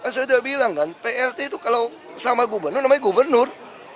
saya sudah bilang kan plt itu kalau sama gubernur namanya gubernur